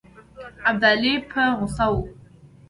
ابدالي په غوسه وو.